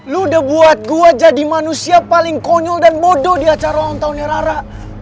lo udah buat gue jadi manusia paling konyol dan bodo di acara lontongnya rara